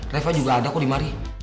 reva juga ada kok di mari